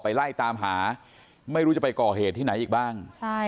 ไล่ตามหาไม่รู้จะไปก่อเหตุที่ไหนอีกบ้าง